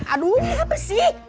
aduh apa sih